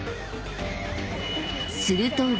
［すると］